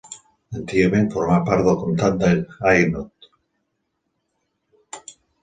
Antigament formà part del comtat d'Hainaut.